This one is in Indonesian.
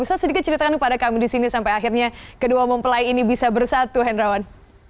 bisa sedikit ceritakan kepada kami disini sampai akhirnya kedua mempelai ini bisa bersatu henrawan